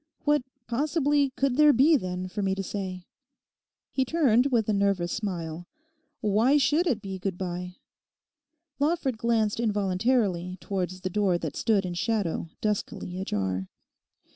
What possibly could there be, then, for me to say?' He turned with a nervous smile. 'Why should it be good bye?' Lawford glanced involuntarily towards the door that stood in shadow duskily ajar.